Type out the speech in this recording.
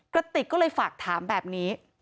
กระติกก็เลยฝากถามแบบนี้